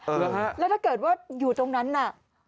เหรอฮะแล้วถ้าเกิดว่าอยู่ตรงนั้นน่ะ